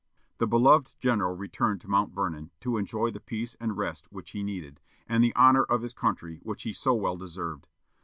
The beloved general returned to Mount Vernon, to enjoy the peace and rest which he needed, and the honor of his country which he so well deserved.